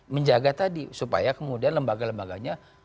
menjaga tadi supaya kemudian lembaga lembaganya